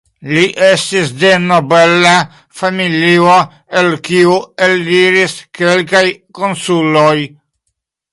Li estis de nobela familio el kiu eliris kelkaj konsuloj.